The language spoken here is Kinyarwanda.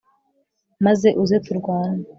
maze uze turwane